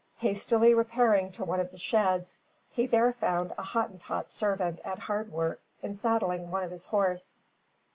Hastily repairing to one of the sheds, he there found a Hottentot servant at hard work in saddling one of his horse.